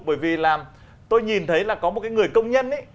bởi vì là tôi nhìn thấy là có một người công nhân